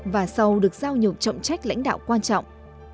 và sau được giao nhục trọng trách lãnh đạo quan trọng